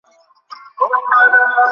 তোমার বাবা মানব আর জনি দানব হয়ে গেছে।